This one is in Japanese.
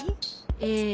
ええ。